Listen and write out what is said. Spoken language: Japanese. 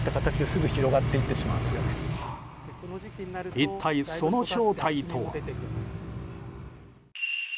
一体、その正体とは。